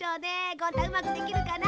ゴン太うまくできるかな？